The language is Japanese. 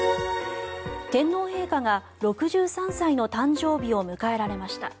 天皇陛下が６３歳の誕生日を迎えられました。